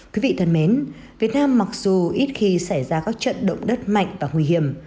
quý vị thân mến việt nam mặc dù ít khi xảy ra các trận động đất mạnh và nguy hiểm